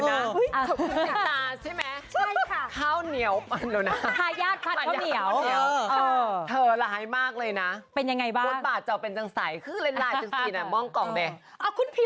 ให้บีอิงลีหายใจเข้าแป๊บนึง๑๒๓หายใจเข้าพี่